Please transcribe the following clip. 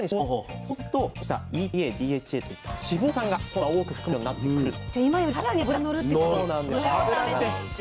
そうするとこうしたＥＰＡＤＨＡといった脂肪酸が今度は多く含まれるようになってくると。